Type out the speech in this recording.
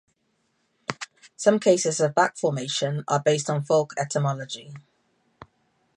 Some cases of back-formation are based on folk etymology.